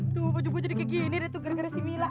tuh baju gue jadi kayak gini tuh gara gara si mila